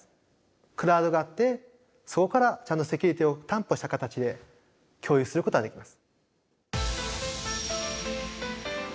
クラウドがあってそこからちゃんとセキュリティーを担保した形で共有することができます。